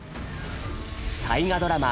大河ドラマ